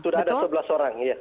sudah ada sebelas orang